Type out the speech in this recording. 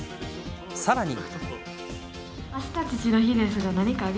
さらに。